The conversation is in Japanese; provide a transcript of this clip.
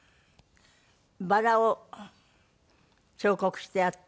バラを彫刻してあって。